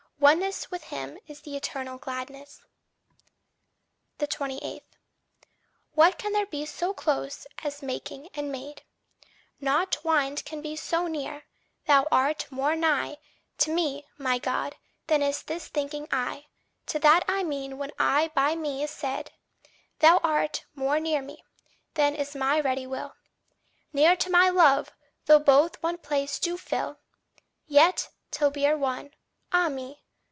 Oneness with him is the eternal gladness. 28. What can there be so close as making and made? Nought twinned can be so near; thou art more nigh To me, my God, than is this thinking I To that I mean when I by me is said; Thou art more near me, than is my ready will Near to my love, though both one place do fill; Yet, till we are one, Ah me!